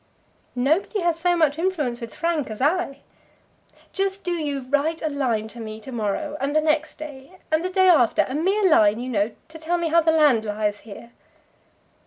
"Nobody has so much influence with Frank as I. Just do you write to me to morrow, and the next day, and the day after, a mere line, you know, to tell me how the land lies here."